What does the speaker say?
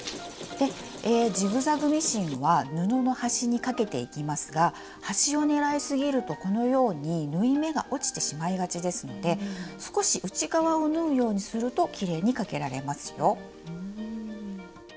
ジグザグミシンは布の端にかけていきますが端をねらいすぎるとこのように縫い目が落ちてしまいがちですので少し内側を縫うようにするときれいにかけられますよ。